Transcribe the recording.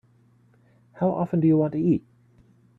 How often do you want to eat?